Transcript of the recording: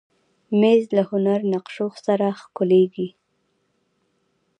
مېز له هنري نقشو سره ښکليږي.